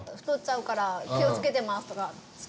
「太っちゃうから気を付けてます」とか。